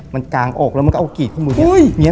มันกางอกแล้วมันก็เอากรีดข้อมือนี้